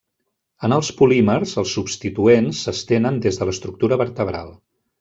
En els polímers els substituents s’estenen des de l’estructura vertebral.